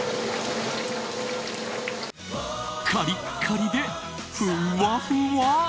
カリッカリでふわふわ。